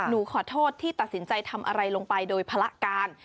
หนูขอโทษที่ตัดสินใจทำอะไรลงไปโดยภาระการ